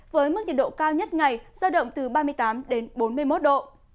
với mức nhiệt độ cao nhất ngày giao động từ ba mươi tám đến bốn mươi một độ